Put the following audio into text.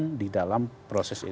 yang di dalam proses itu